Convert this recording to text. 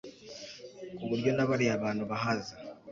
kuburyo na bariya bantu bahaza